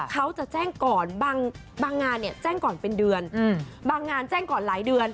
เขาจะแจ้งก่อนบางงานเนี่ยแจ้งก่อนเป็นเดือนบางงานแจ้งก่อนหลายเดือน